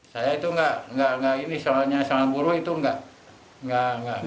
saya itu nggak ini soalnya sangat buruk itu nggak